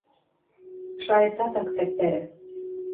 Шайыцат ак цӓктӓрӹ.